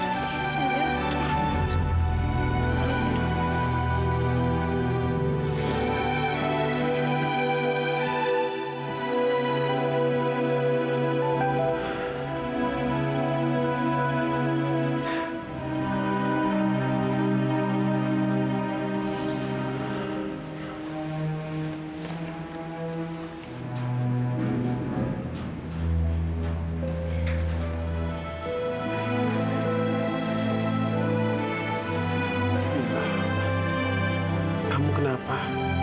kamilah kamu kenapa